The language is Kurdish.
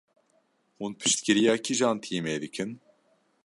Hûn piştgiriya kîjan tîmê dikin?